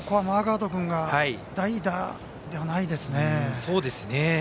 マーガード君が代打ではないですね。